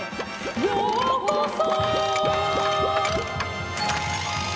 「ようこそ」